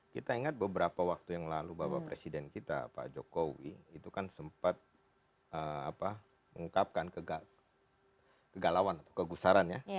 kita ingat beberapa waktu yang lalu bapak presiden kita pak jokowi itu kan sempat mengungkapkan kegalauan atau kegusaran ya